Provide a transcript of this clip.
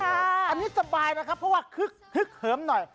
อันนี้สบายนะครับเพราะขึกเหอะงหน่อย